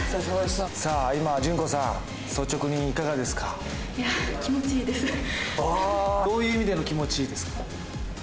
さあ今順子さん率直にいかがですか？どういう意味での「気持ちいい」ですか？